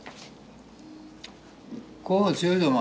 が強いぞお前。